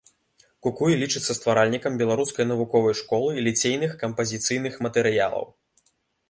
Кукуй лічыцца стваральнікам беларускай навуковай школы ліцейных кампазіцыйных матэрыялаў.